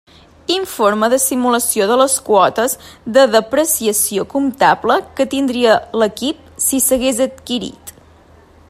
Informe de simulació de les quotes de depreciació comptable que tindria l'equip si s'hagués adquirit.